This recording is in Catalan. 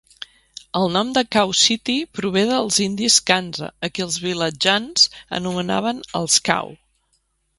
El nom de Kaw City prové dels indis Kanza, a qui els vilatjans anomenaven "els Kaw".